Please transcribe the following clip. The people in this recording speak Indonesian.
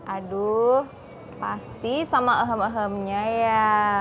aduh pasti sama ahem ahemnya ya